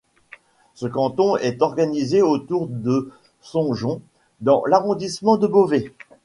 Ce canton est organisé autour de Songeons dans l'arrondissement de Beauvais.